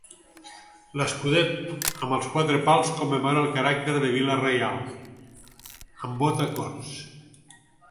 L'escudet amb els quatre pals commemora el caràcter de vila reial, amb vot a corts.